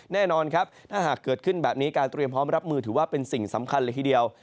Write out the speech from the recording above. แน่นอนครับถ้าหากเกิดขึ้นแบบนี้การเตรียมพร้อมรับมือถือว่าเป็นสิ่งสำคัญเลยทีเดียว